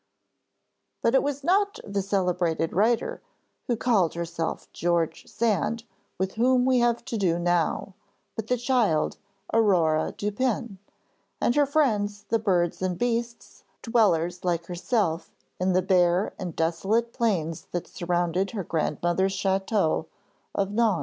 But it is not the celebrated writer who called herself 'George Sand' with whom we have to do now, but the child Aurore Dupin, and her friends the birds and beasts, dwellers like herself in the bare and desolate plains that surrounded her grandmother's château of Nohant.